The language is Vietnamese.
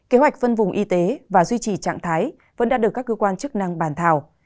kế hoạch phân vùng y tế và duy trì trạng thái vẫn đã được các cơ quan chức năng bàn thảo